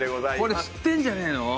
これ知ってんじゃねえの？